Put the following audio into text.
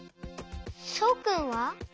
そうくんは？